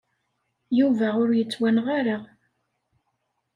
Yuba ur yettwanɣa ara.